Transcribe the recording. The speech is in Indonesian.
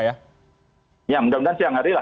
ya mudah mudahan siang hari lah